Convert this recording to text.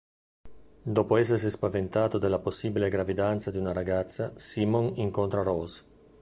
Dopo essersi spaventato della possibile gravidanza di una ragazza, Simon incontra Rose.